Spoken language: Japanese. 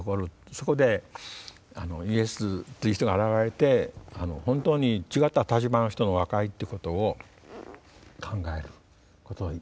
そこでイエスという人が現れて本当に違った立場の人の和解ってことを考えることをした。